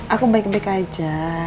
aku baik baik aja